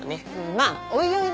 まぁおいおいね。